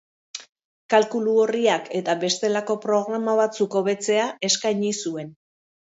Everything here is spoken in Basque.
Kalkulu orriak eta bestelako programa batzuk hobetzea eskaini zuen.